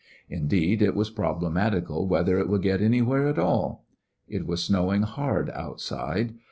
Indeed, it was problematical whether it would get anywhere at all. It was snowing hard outside.